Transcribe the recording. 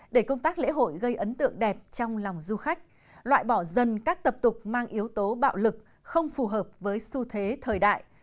để công tác lễ hội gây ấn tượng đẹp trong lòng du khách loại bỏ dân các tập tục mang yếu tố bạo lực không phù hợp với xu thế thời đại